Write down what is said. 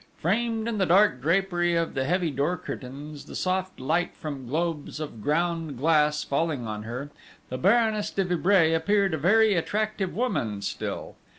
Framed in the dark drapery of the heavy door curtains, the soft light from globes of ground glass falling on her, the Baroness de Vibray appeared a very attractive woman still.